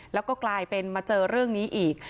แล้วก็กลายเป็นมาเจอเรื่องนี้อีก